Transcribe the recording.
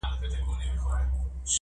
چي غمزه غمزه راګورې څه نغمه نغمه ږغېږې,